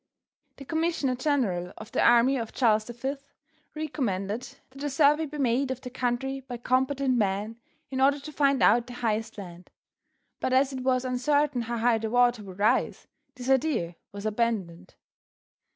The commissioner general of the army of Charles the Fifth recommended that a survey be made of the country by competent men in order to find out the highest land. But as it was uncertain how high the water would rise this idea was abandoned.